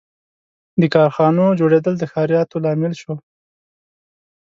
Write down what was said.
• د کارخانو جوړېدل د ښاریاتو لامل شو.